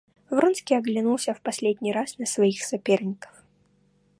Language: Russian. Вронский оглянулся в последний раз на своих соперников.